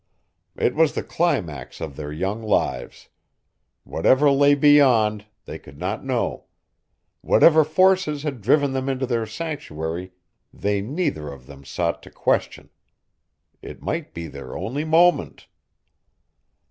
It was the climax of their young lives. Whatever lay beyond they could not know. Whatever forces had driven them into this sanctuary they neither of them sought to question. It might be their only moment.